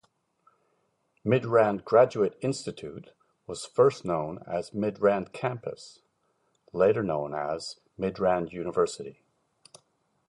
Midrand Graduate Institute was first known as Midrand Campus, later known as Midrand University.